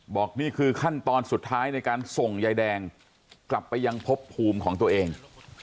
นี่คือขั้นตอนสุดท้ายในการส่งยายแดงกลับไปยังพบภูมิของตัวเอง